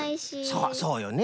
そうそうよね。